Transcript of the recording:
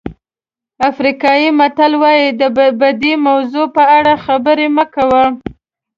افریقایي متل وایي د بدې موضوع په اړه خبرې مه کوئ.